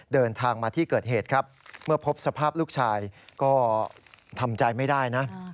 เดินทางมาที่เกิดเหตุครับเมื่อพบสภาพลูกชายก็ทำใจไม่ได้นะ